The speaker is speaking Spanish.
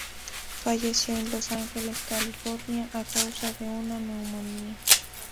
Falleció en Los Ángeles, California, a causa de una neumonía.